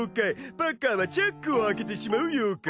パッカーはチャックを開けてしまう妖怪。